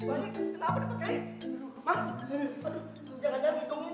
aduh jangan jangan hitung ini